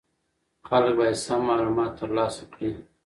خلک باید سم معلومات ترلاسه کړي.